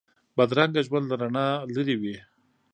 بدرنګه ژوند له رڼا لرې وي